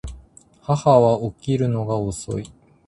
母は起きるのが遅い